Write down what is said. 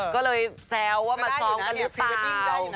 ก็เลยแซวว่ามาซ้อมกันหรือเปล่า